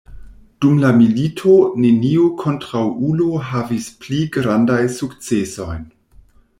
Dum la milito neniu kontraŭulo havis pli grandaj sukcesojn.